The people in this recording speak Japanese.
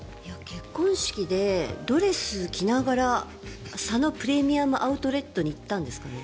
結婚式でドレスを着ながら佐野プレミアム・アウトレットに行ったんですかね。